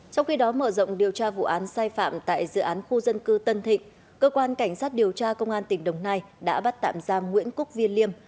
trong khi đó mở rộng điều tra vụ án sai phạm tại dự án khu dân cư tân thịnh cơ quan cảnh sát điều tra công an tỉnh đồng nai đã bắt tạm giam nguyễn quốc viên liêm